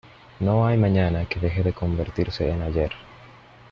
No hay mañana que deje de convertirse en ayer.